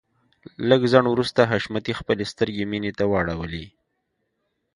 له لږ ځنډ وروسته حشمتي خپلې سترګې مينې ته واړولې.